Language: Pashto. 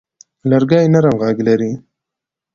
لرګی نرم غږ لري.